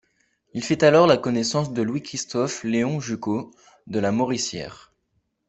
Il fait alors la connaissance de Louis Christophe Léon Juchault de la Moricière.